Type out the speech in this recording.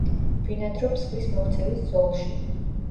ბინადრობს ზღვის მოქცევის ზოლში.